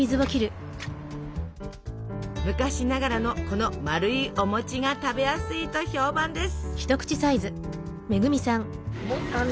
昔ながらのこのまるいお餅が食べやすいと評判です。